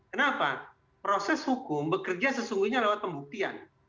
kenapa proses hukum bekerja sesungguhnya lewat pembuktian